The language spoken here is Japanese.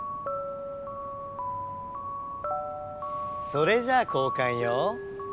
それじゃあ交かんよ。